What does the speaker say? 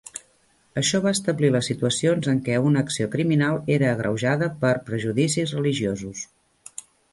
Això va establir les situacions en que una acció criminal era agreujada per prejudicis religiosos.